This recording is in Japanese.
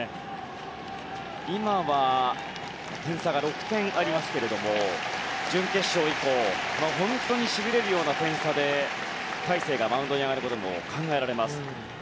今は点差が６点ありますけど準決勝以降本当にしびれるような点差で大勢がマウンドに上がることも考えられます。